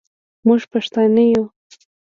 موږ پښتانه یو